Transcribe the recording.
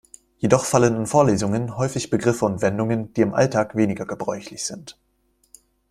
Jedoch fallen in Vorlesungen häufig Begriffe und Wendungen, die im Alltag weniger gebräuchlich sind.